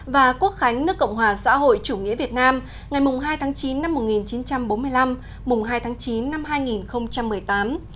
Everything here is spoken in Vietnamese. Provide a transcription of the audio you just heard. và quốc khánh nước cộng hòa xã hội chủ nghĩa việt nam ngày hai tháng chín năm một nghìn chín trăm bốn mươi năm hai tháng chín năm hai nghìn một mươi tám